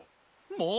もう！